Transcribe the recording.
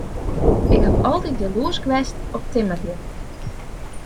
Ik haw altyd jaloersk west op timmerlju.